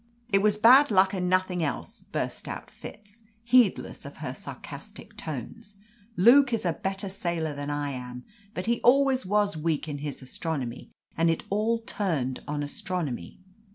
"It was bad luck, and nothing else," burst out Fitz, heedless of her sarcastic tones. "Luke is a better sailor than I am. But he always was weak in his astronomy, and it all turned on astronomy."